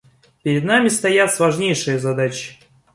Перед нами стоят сложнейшие задачи.